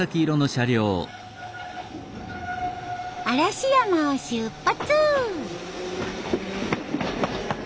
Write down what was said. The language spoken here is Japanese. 嵐山を出発！